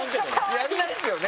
やんないですよね？